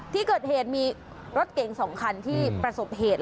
ที่เกิดเหตุมีรถเก๋ง๒คันที่ประสบเหตุ